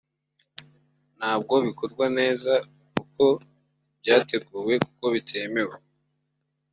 ntabwo bikorwa neza uko byateguwe kuko bitemewe